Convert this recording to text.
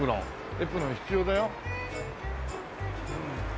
エプロン必要だよ？